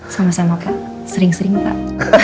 sama sama kak sering sering pak